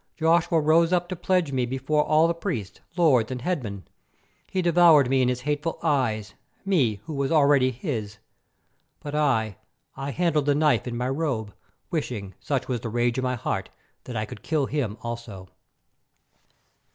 Joshua rose up to pledge me before all the priests, lords, and headmen. He devoured me with his hateful eyes, me, who was already his. But I, I handled the knife in my robe, wishing, such was the rage in my heart, that I could kill him also.